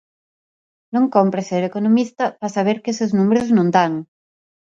Non cómpre ser economista para saber que eses números non dan.